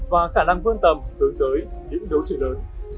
và khả năng vương tầm hướng tới những đấu trưởng lớn